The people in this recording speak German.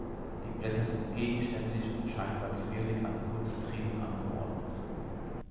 Die Blätter sind gegenständig und scheinbar quirlig an Kurztrieben angeordnet.